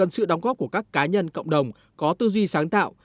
sự đóng góp của các cá nhân cộng đồng có tư duy sáng tạo